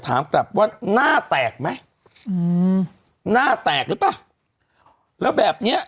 ถามกลับว่าหน้าแตกไหมอืมหน้าแตกหรือเปล่าแล้วแบบเนี้ย